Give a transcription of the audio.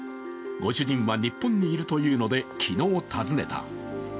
ご主人は日本にいるというので昨日訪ねた。